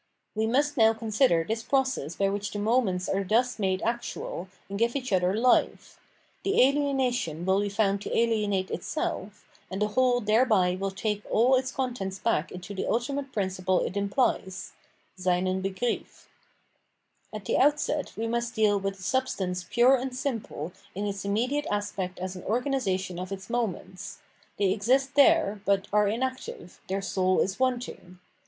We must now consider this process by which the moments are thus made actual and give each other life ; the alienation will be found to ahenate itself, and the whole thereby will take all its contents back into the ultimate principle it implies {seinen Begriff). At the outset we must deal with the substance pure and simple in its immediate aspect as an organisa tion of its moments ; they exist there, but are inactive, their soul is wanting.